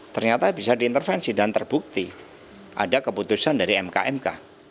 ternyata bisa diintervensi dan terbukti ada keputusan dari mkmk